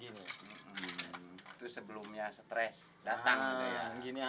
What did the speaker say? itu sebelumnya stres datang gitu ya